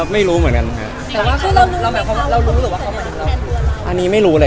เกลียดตัวเองเป็นคนเดียวล่ะ